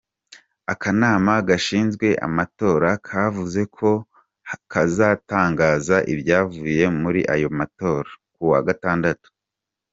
Akanama gashinzwe amatora kavuze ko kazatangaza ibyavuye muri ayo matora kuwa gatandatu.